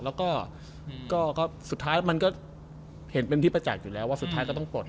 แล้วก็สุดท้ายมันก็เห็นเป็นที่ประจักษ์อยู่แล้วว่าสุดท้ายก็ต้องปลด